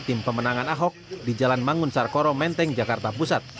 tim pemenangan ahok di jalan mangun sarkoro menteng jakarta pusat